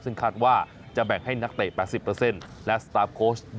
ซึ่งคาดว่าจะแบ่งให้นักเตะ๘๐และสตาร์ฟโค้ช